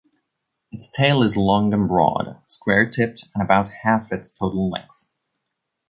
Its tail is long and broad; square-tipped and about half its total length.